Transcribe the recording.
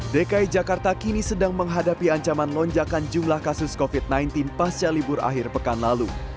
dki jakarta kini sedang menghadapi ancaman lonjakan jumlah kasus covid sembilan belas pasca libur akhir pekan lalu